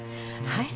はい！